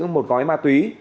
một gói ma túy